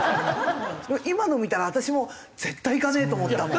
今のを見たら私も絶対行かねえと思ったもん。